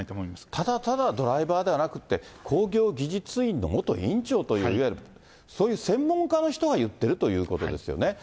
ただただ、ドライバーではなくて、工業技術院の元院長という、いわゆるそういう専門家の人が言ってるということですよね。